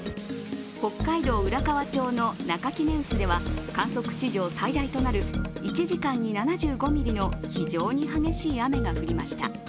北海道浦河町の中杵臼では観測史上最大となる１時間に７５ミリの非常に激しい雨が降りました。